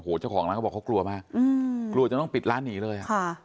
โหเจ้าของนั้นก็บอกเขากลัวมากกลัวจะต้องปิดร้านนี้เลย